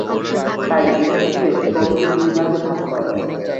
তাই এদিক থেকে শ্রমকে দুই ভাগে ভাগ করা যায়।